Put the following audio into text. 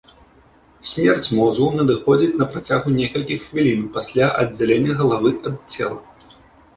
Смерць мозгу надыходзіць на працягу некалькіх хвілін пасля аддзялення галавы ад цела.